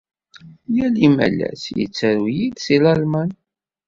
Yal imalas yettaru-yi-d seg Lalman.